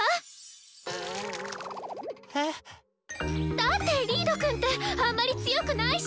だってリードくんってあんまり強くないし！